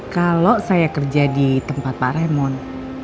kalau saya kerja di tempat pak remon